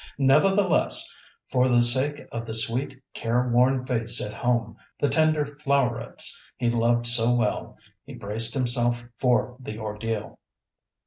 Nevertheless, for the sake of the sweet, careworn face at home, the tender flowerets he loved so well, he braced himself for the ordeal.